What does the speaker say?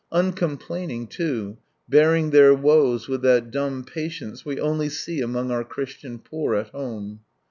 Uncomplaining, too, bearing their woes with that dumb ' patience we only set among our Christian poor at home.